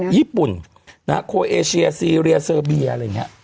ญี่ปุ่นโคเอเชียซีเรียเซอร์เบียอะไรอย่างนี้